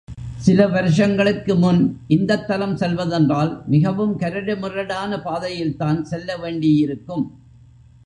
சில வருஷங்களுக்கு முன் இந்தத் தலம் செல்வதென்றால் மிகவும் கரடு முரடான பாதையில் தான் செல்லவேண்டியிருக்கும்.